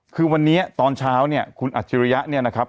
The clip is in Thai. คือวันนี้ตอนเช้าเนี่ยคุณอัจฉริยะเนี่ยนะครับ